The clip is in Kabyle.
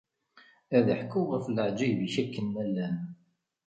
Ad ḥkuɣ ɣef leɛǧayeb-ik akken ma llan.